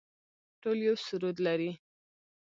ټول یو سرود لري